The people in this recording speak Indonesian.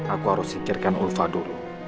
aku harus pikirkan ulfa dulu